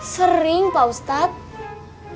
sering pak ustadz